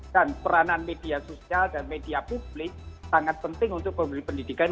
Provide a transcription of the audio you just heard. dan peranan media sosial dan media publik sangat penting untuk memiliki pendidikan